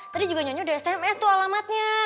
tadi juga nyonya udah sms tuh alamatnya